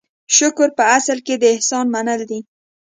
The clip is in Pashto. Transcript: شکر په اصل کې د احسان منل دي.